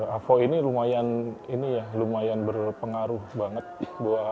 avo ini lumayan berpengaruh banget buat anak saya